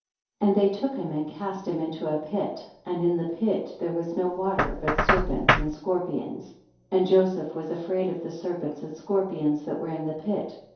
28. And they took him and cast him into a pit, and in the pit there was no water, but serpents and scor pions. And Joseph was afraid of the serpents and scorpions that were in the pit.